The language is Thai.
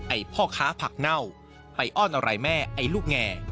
พ่อค้าผักเน่าไปอ้อนอะไรแม่ไอ้ลูกแง